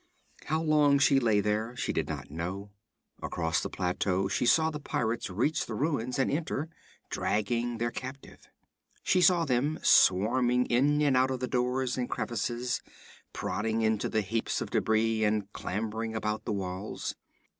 How long she lay there, she did not know. Across the plateau she saw the pirates reach the ruins and enter, dragging their captive. She saw them swarming in and out of the doors and crevices, prodding into the heaps of debris, and clambering about the walls.